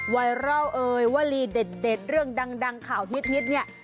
ไวรัลเอ่ยวลีเด็ดเรื่องดังข่าวฮิตเนี่ย